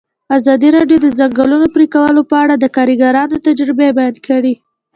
ازادي راډیو د د ځنګلونو پرېکول په اړه د کارګرانو تجربې بیان کړي.